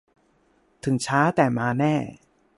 ถึงช้าแต่มาแน่